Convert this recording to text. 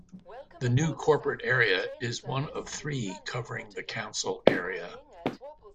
The new corporate area is one of three covering the council area.